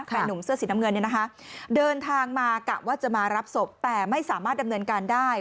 หนุ่มเสื้อสีน้ำเงินเนี่ยนะคะเดินทางมากะว่าจะมารับศพแต่ไม่สามารถดำเนินการได้